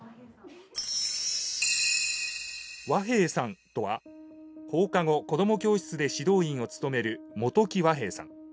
和平さんとは放課後子ども教室で指導員を務める元木和平さん。